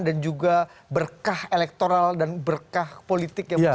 dan juga berkah elektoral dan berkah politik yang berusaha